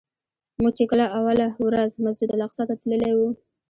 موږ چې کله اوله ورځ مسجدالاقصی ته تللي وو.